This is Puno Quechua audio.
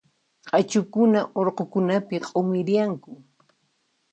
Q'achukuna urqukunapi q'umirianku.